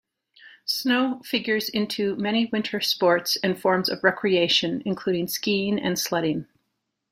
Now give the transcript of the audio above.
Snow figures into many winter sports and forms of recreation, including skiing and sledding.